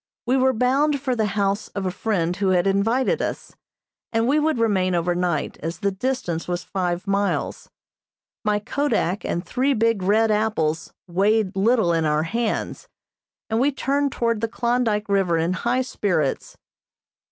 We were bound for the house of a friend who had invited us, and we would remain over night, as the distance was five miles. My kodak and three big red apples weighed little in our hands, and we turned toward the Klondyke River in high spirits.